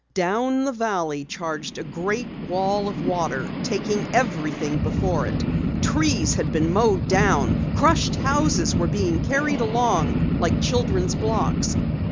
Down the valley charged a great wall of water, taking everything before it. Trees had been mowed down. Crushed houses were being carried along like children's blocks.